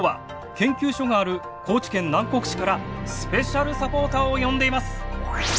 研究所がある高知県南国市からスペシャルサポーターを呼んでいます。